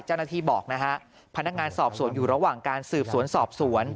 เจ้าหน้าที่บอกนะฮะพนักงานสอบสวนอยู่ระหว่างการสืบสวนสอบสวน